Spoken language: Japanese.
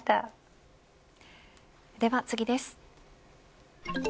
では次です。